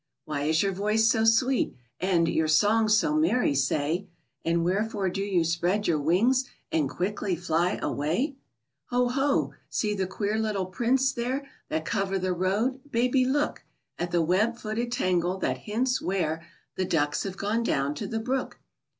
Why is your voice so sweet, and Your song so merry, say? And wherefore do you spread your wings And quickly fly away? Ho, ho! see the queer little prints there That cover the road, baby, look! At the web footed tangle that hints where The ducks have gone down to the brook!